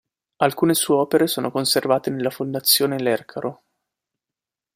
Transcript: Alcune sue opere sono conservate nella Fondazione Lercaro